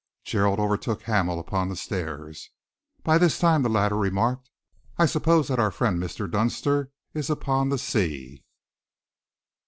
Gerald overtook Hamel upon the stairs. "By this time," the latter remarked, "I suppose that our friend Mr. Dunster is upon the sea."